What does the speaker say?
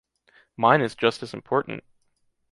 Mine is just as important.